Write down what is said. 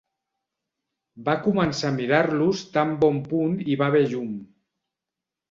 Va començar a mirar-los tan bon punt hi va haver llum.